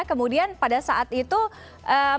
kemudian pada saat itu apa respons dari panggilan